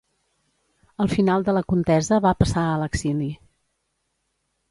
Al final de la contesa va passar a l'exili.